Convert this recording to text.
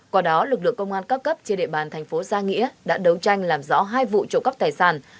qua đó lực lượng công an các cấp trên địa bàn thành phố gia nghĩa đã đấu tranh làm rõ hai vụ trộm cắp tài sản